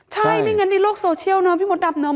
ใช่ไม่งั้นในโลกโซเชียลเนาะพี่มดดำเนาะ